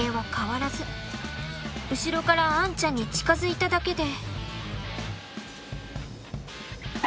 後ろからアンちゃんに近づいただけで。